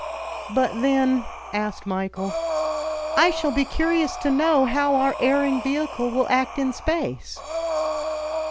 "But then," asked Michel, "I shall be curious to know how our erring vehicle will act in space?"